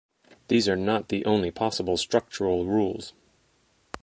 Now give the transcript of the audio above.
These are not the only possible structural rules.